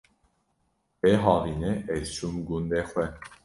Vê havînê ez çûm gundê xwe